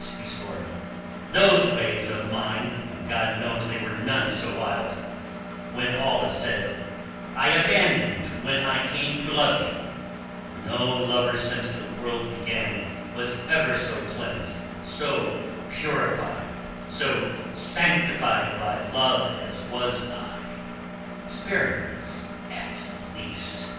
he stormed. "Those ways of mine—and God knows they were none so wild, when all is said—I abandoned when I came to love you. No lover since the world began was ever so cleansed, so purified, so sanctified by love as was I." "Spare me this at least!"